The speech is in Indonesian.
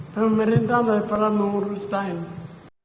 pemerintahan adalah mengurus daerah